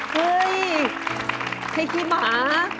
เฮ้ยไข่ขี้หมา